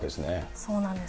そうなんです。